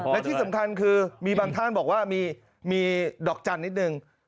และที่สำคัญคือมีบางท่านบอกว่ามีดอกจันทร์นิดนึง